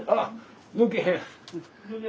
抜けへん。